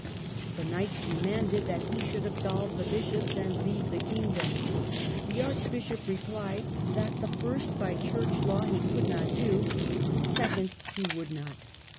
The knights demanded that he should absolve the bishops and leave the kingdom. The archbishop replied that the first by church law he could not do, and the second he would not.